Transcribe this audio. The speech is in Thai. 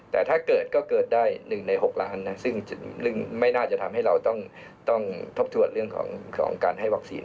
แต่ถ้าเกิดก็เกิดได้๑ใน๖ล้านซึ่งไม่น่าจะทำให้เราต้องทบทวนเรื่องของการให้วัคซีน